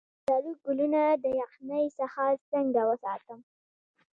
د زردالو ګلونه د یخنۍ څخه څنګه وساتم؟